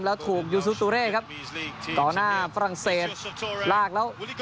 แล้วถูกยูซูซูเร่ครับต่อหน้าฝรั่งเศสลากแล้ว